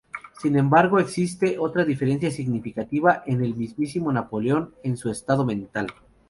Sin embargo, existe otra diferencia significativa en el mismísimo Napoleón, en su estado mental.